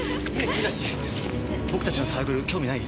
君たち僕たちのサークル興味ない？